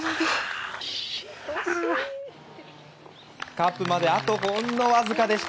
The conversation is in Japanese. カップまであとほんのわずかでした。